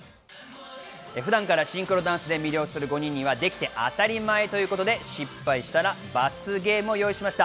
普段からシンクロダンスで魅了する５人にはできて当たり前ということで、失敗したら罰ゲームを用意しました。